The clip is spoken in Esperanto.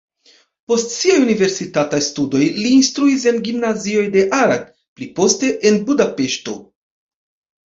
Post siaj universitataj studoj li instruis en gimnazioj de Arad, pli poste en Budapeŝto.